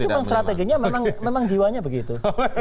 itu memang strateginya memang jiwanya begitu